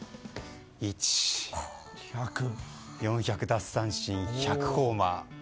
４００奪三振１００ホーマー。